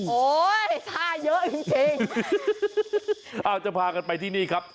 โอ้ยผ้าเยอะจริงจริงเอาจะพากันไปที่นี่ครับ